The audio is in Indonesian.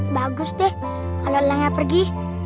bagus deh kalau lelangnya pergi